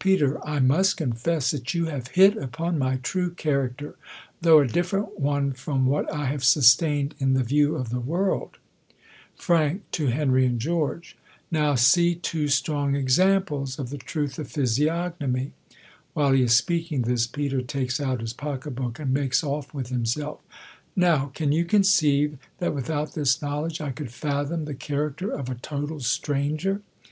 Pet, I must confess that you have hit upon my true character; though a different one, from what 1 have sustained in the view of the world. Fr: THE COLUMBIAN ORATOR. 81 Fr, [/o Henry and George^ Now see two strong examples of the tmdi of physiognomy. \^lVhih. he is speaking tMi, Peicr takes out his pocket hook^ and makes off zvith himself, ] Now, can } ou conceive, that with out this knowledge, I could fathom the character of a total stranger